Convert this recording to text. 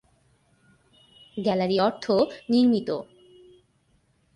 Gallery অর্ধ নির্মিত।